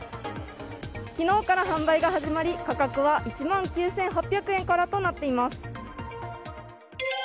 昨日から販売が始まり価格は１万９８００円からとなっています。